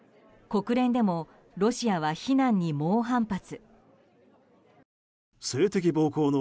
国連でもロシアは非難に猛反発。